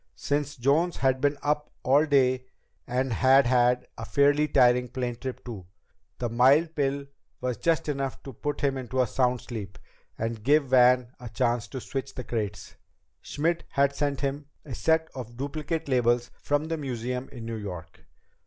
Since Jones had been up all day, and had had a fairly tiring plane trip too, the mild pill was just enough to put him into a sound sleep and give Van a chance to switch the crates. Schmidt had sent him a set of duplicate labels from the museum in New York.